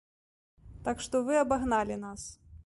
Так што вы абагналі нас.